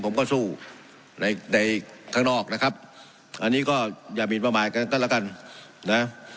ผมก็สู้ในในข้างนอกนะครับอันนี้ก็อย่ามินประมาทกันก็แล้วกันนะ